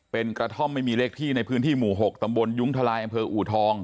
เป็นกระท่อมไม่มีเลขที่ในพื้นที่หมู่๖ตำบลยุ้งทลายอำเภออูทอง